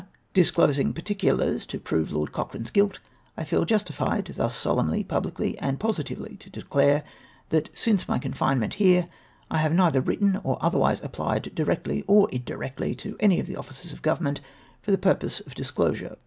(hs closiug particulars to prove Lord Cochrane's guilt, I feel justified thus solemnly, publicly, and positively to declare, That, since my confinement here, I have neither written, or otherwise applied, directly or indirectly, to any of the offices of Grovernment for the purpose of disclosure.